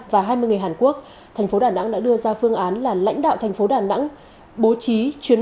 và hai mươi người hàn quốc thành phố đà nẵng đã đưa ra phương án là lãnh đạo thành phố đà nẵng bố trí chuyến